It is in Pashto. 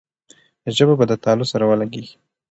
ژبه به د تالو سره ولګېږي.